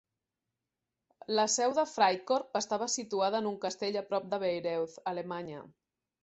La seu de Freikorp estava situada en un castell a prop de Bayreuth, Alemanya.